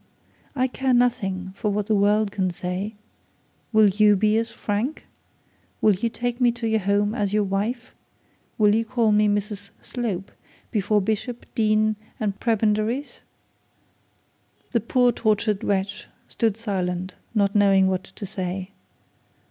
I care nothing for what the world can say. Will you be as frank? Will you take me to your home as your wife? Will you call me Mrs Slope before bishop, dean, and prebendaries?' The poor tortured wretch stood silent, not knowing what to say.